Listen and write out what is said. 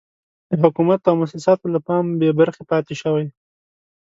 د حکومت او موسساتو له پام بې برخې پاتې شوي.